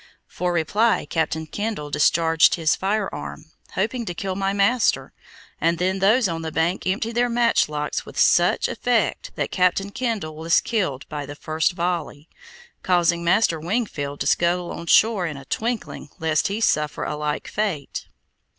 For reply Captain Kendall discharged his firearm, hoping to kill my master, and then those on the bank emptied their matchlocks with such effect that Captain Kendall was killed by the first volley, causing Master Wingfield to scuttle on shore in a twinkling lest he suffer a like fate.